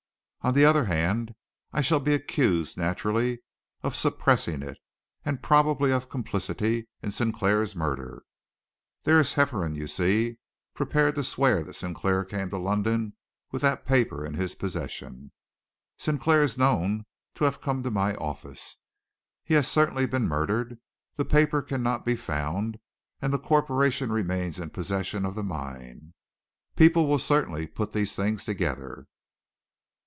On the other hand, I shall be accused, naturally, of suppressing it, and probably of complicity in Sinclair's murder. There is Hefferom, you see, prepared to swear that Sinclair came to London with that paper in his possession. Sinclair is known to have come to my office. He has certainly been murdered. The paper cannot be found, and the corporation remains in possession of the mine. People will certainly put these things together."